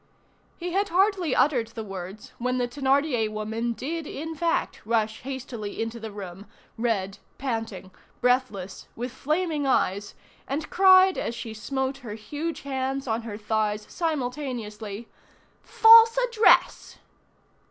He had hardly uttered the words, when the Thénardier woman did in fact rush hastily into the room, red, panting, breathless, with flaming eyes, and cried, as she smote her huge hands on her thighs simultaneously:— "False address!"